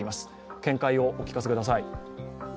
見解をお聞かせください。